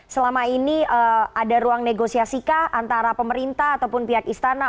selama ini ada ruang negosiasi kah antara pemerintah ataupun pihak istana